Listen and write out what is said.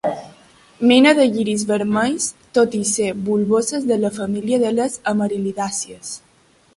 Mena de lliris vermells, tot i ser bulboses de la família de les amaril·lidàcies.